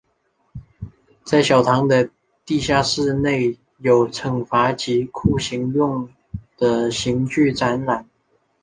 在小堂的地下室内有惩罚及酷刑用的刑具展览。